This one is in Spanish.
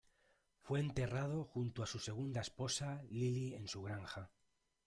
Fue enterrado junto a su segunda esposa Lily en su granja.